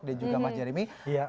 dan juga mas jeremy